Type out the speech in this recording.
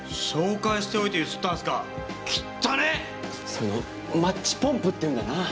そういうのをマッチポンプって言うんだよな。